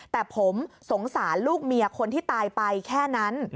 แต่ผมสงสารลูกเมียคนที่ตายไปแค่นั้น